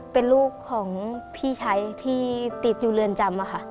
เป็นลูกของพี่ชายที่ติดอยู่เรือนจำค่ะ